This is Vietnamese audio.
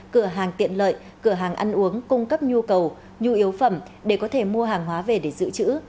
cửa hàng tiện lợi cửa hàng ăn uống cung cấp nhu cầu nhu yếu phẩm để có thể mua hàng hóa về để giữ chữ